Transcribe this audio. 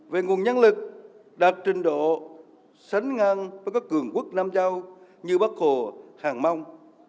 về nguồn nhân lực đạt trình độ sánh ngang với các cường quốc nam châu như bắc hồ hàng mong